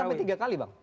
sampai tiga kali bang